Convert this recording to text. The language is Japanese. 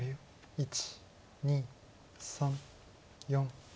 １２３４。